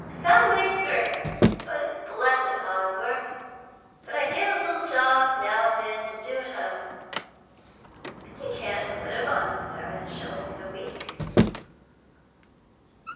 Some make three, but it's blessed hard work. But I get a little job now and then to do at home." "But you can't live on seven shillings a week?"